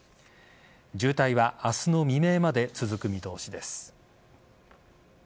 渋滞は明日の未明まで続く見通しです。